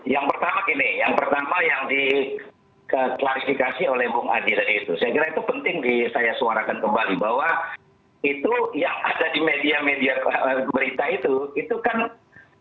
yang pertama gini yang pertama yang diklarifikasi oleh bung adi tadi itu